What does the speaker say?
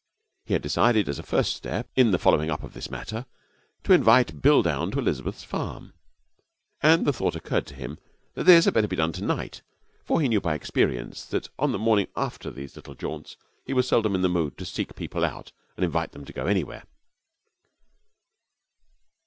He had decided as a first step in the following up of this matter to invite Bill down to Elizabeth's farm, and the thought occurred to him that this had better be done to night, for he knew by experience that on the morning after these little jaunts he was seldom in the mood to seek people out and invite them to go anywhere.